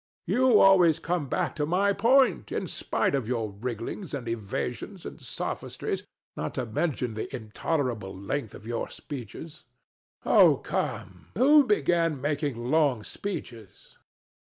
You always come back to my point, in spite of your wrigglings and evasions and sophistries, not to mention the intolerable length of your speeches. DON JUAN. Oh come! who began making long speeches?